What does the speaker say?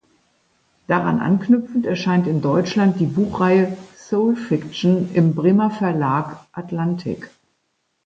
Daran anknüpfend erscheint in Deutschland die Buchreihe "Soul Fiction" im Bremer Verlag "Atlantik".